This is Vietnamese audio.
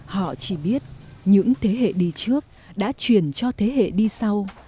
họ chỉ biết những thế hệ đi trước đã truyền cho thế hệ đi sau